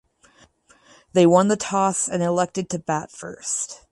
They won the toss and elected to bat first.